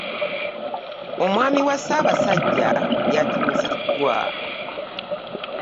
Omwami wa Ssabasajja yatuuziddwa.